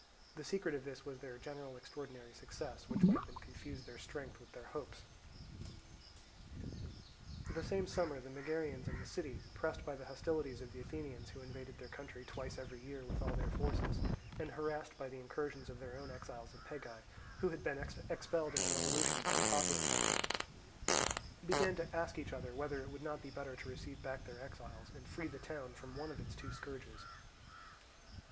The secret of this was their general extraordinary success, which made them confuse their strength with their hopes. The same summer the Megarians in the city, pressed by the hostilities of the Athenians, who invaded their country twice every year with all their forces, and harassed by the incursions of their own exiles at Pegae, who had been expelled in a revolution by the popular party, began to ask each other whether it would not be better to receive back their exiles, and free the town from one of its two scourges.